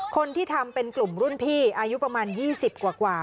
คนที่ทำเป็นกลุ่มรุ่นพี่อายุประมาณ๒๐กว่า